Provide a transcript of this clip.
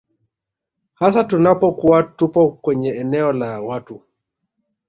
hasa tunapokuwa tupo kwenye eneo la watu